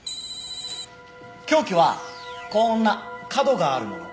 凶器はこーんな角があるもの。